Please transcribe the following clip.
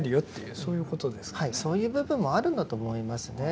はいそういう部分もあるんだと思いますね。